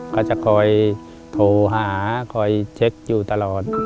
ก็จะคอยโทรหาคอยเช็คอยู่ตลอด